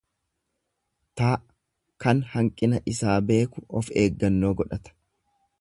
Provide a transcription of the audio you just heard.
t Kan hanqina isaa beeku of eeggannoo godhata.